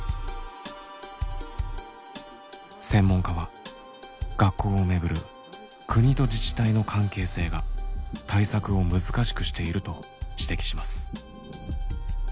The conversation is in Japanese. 専門家は学校を巡る国と自治体の関係性が対策を難しくしていると指摘します。